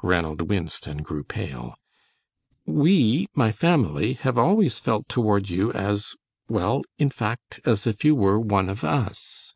Ranald winced and grew pale. "We my family have always felt toward you as well, in fact, as if you were one of us."